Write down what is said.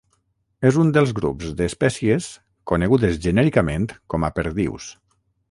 És un dels grups d'espècies conegudes genèricament com a perdius.